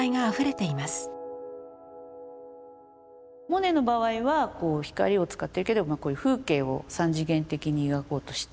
モネの場合はこう光を使ってるけど風景を三次元的に描こうとしてる。